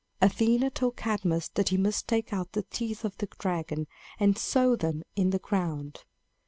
Athena told Cadmus that he must take out the teeth of the dragon and sow them in the ground.